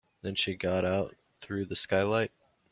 Then she got out through the skylight.